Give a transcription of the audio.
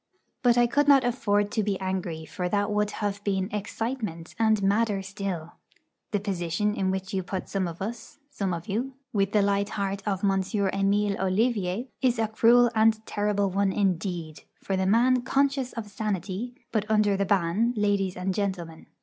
But I could not afford to be angry, for that would have been 'excitement' and madder still. The position in which you put some of us some of you with the light heart of M. Emile Ollivier is a cruel and terrible one, indeed, for the man conscious of sanity, but under the ban, ladies and gentlemen.